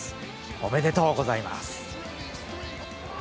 おめでとうございます。